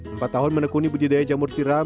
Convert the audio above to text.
empat tahun menekuni budidaya jamur tiram